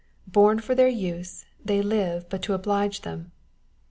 " Born for their use, they live but to oblige them."